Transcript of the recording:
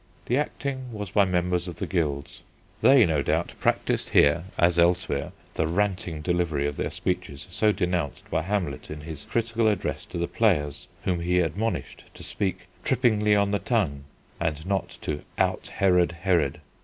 The acting was by members of the guilds. They, no doubt, practised here, as elsewhere, the ranting delivery of their speeches so denounced by Hamlet in his critical address to the Players, whom he admonished to speak "trippingly on the tongue" and not to "out Herod Herod."